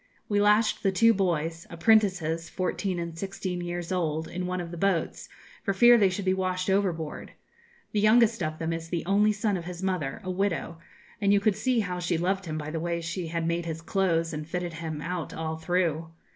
We lashed the two boys apprentices, fourteen and sixteen years old in one of the boats, for fear they should be washed overboard. The youngest of them is the only son of his mother, a widow; and you could see how she loved him by the way she had made his clothes, and fitted him out all through.